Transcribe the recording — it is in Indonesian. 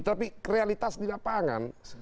tapi realitas tidak pangan